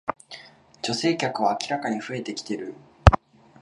女性客は明らかに増えてきてる